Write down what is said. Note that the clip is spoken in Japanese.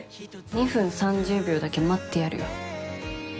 ２分３０秒だけ待ってやるよ。